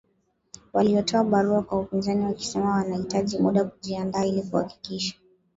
Walitoa barua kwa upinzani wakisema wanahitaji muda kujiandaa ili kuhakikisha